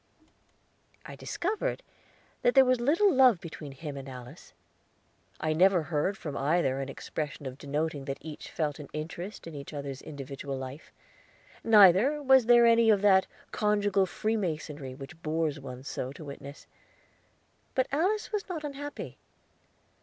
I discovered that there was little love between him and Alice. I never heard from either an expression denoting that each felt an interest in the other's individual life; neither was there any of that conjugal freemasonry which bores one so to witness. But Alice was not unhappy.